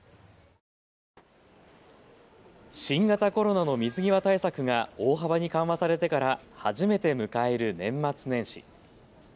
新型コロナの水際対策が大幅に緩和されてから初めて迎える年末年始。